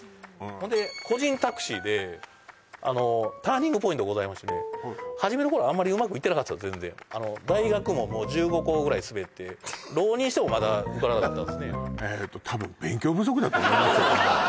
ほんで個人タクシーでターニングポイントございましてね初めの頃あんまりうまくいってなかった全然大学も１５校ぐらいすべって浪人してもまだ受からなかったんですねと思いますよ